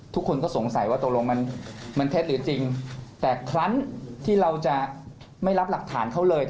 ทุกคนก็สงสัยว่าตกลงมันเท็จหรือจริงแต่ครั้งที่เราจะไม่รับหลักฐานเขาเลย